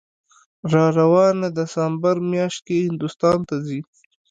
راروانه دسامبر میاشت کې هندوستان ته ځي